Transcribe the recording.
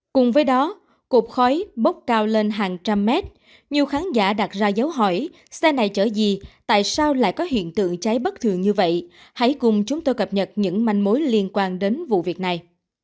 cùng với đó cột khói bốc cao lên hàng trăm mét nhiều khán giả đặt ra dấu hỏi xe này chở gì tại sao lại có hiện tượng cháy bất thường như vậy hãy cùng chúng tôi cập nhật những manh mối liên quan đến vụ việc này